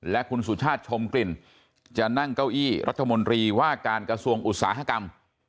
และคุณสุชาติชมกลิ่นจะนั่งเก้าอี้รัฐมนตรีว่าการกระทรวงอุตสาหกรรม